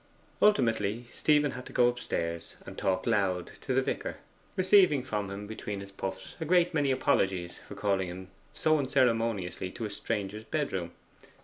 Ultimately Stephen had to go upstairs and talk loud to the vicar, receiving from him between his puffs a great many apologies for calling him so unceremoniously to a stranger's bedroom.